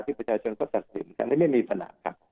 ที่ประชาชนก็จัดสินฉะนั้นไม่มีประหนักครับ